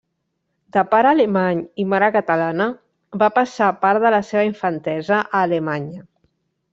De pare alemany i mare catalana, va passar part de la seva infantesa a Alemanya.